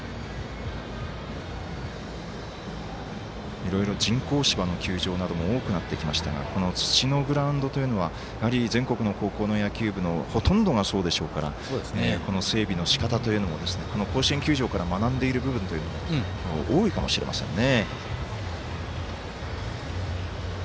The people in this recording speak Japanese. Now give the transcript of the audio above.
いろいろ人工芝の球場など多くなってきましたが土のグラウンドというのはやはり全国の高校の野球部のほとんどがそうでしょうからこの整備のしかた甲子園球場から学んでいる部分というのも多いかもしれませんね。